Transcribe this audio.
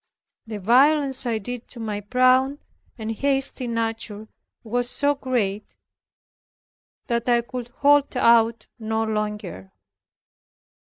The violence I did to my proud and hasty nature was so great, that I could hold out no longer.